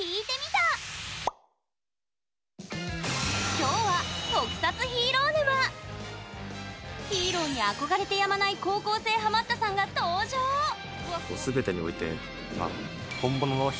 きょうはヒーローに憧れてやまない高校生ハマったさんが登場レッドだ！